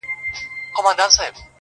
زوړ زمری وو نور له ښکار څخه لوېدلی -